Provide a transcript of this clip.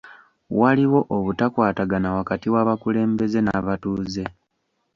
Waliwo obutakwatagana wakati w'abakulembeze n'abatuuze.